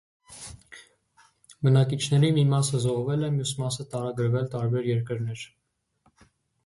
Բնակիչների մի մասը զոհվել է, մյուս մասը տարագրվել տարբեր երկրներ։